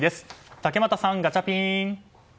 竹俣さん、ガチャピン！